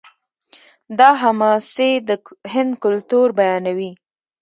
دا حماسې د هند کلتور بیانوي.